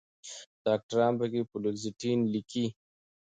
ډاکټران پکښې فلوکسیټين لیکي